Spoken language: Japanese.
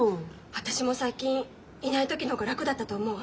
私も最近いない時の方が楽だったと思う。